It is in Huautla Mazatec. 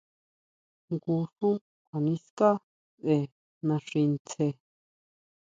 Jngu xú kjua niská sʼe naxi ntsje.